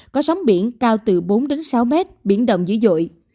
có sóng biển cao từ bốn đến sáu mét biển động dữ dội